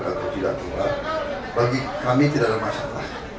keluar atau tidak keluar bagi kami tidak ada masalah